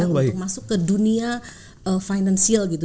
untuk masuk ke dunia financial gitu